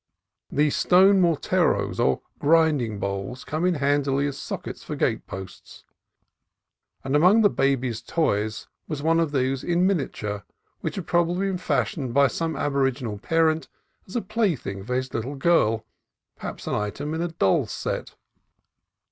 The stone morteros, or grinding bowls, came in handily as sockets for gate posts, and among the baby's toys was one of these in miniature, which probably had been fashioned by some aboriginal parent as a play thing for his little girl, — perhaps an item in a doll's set.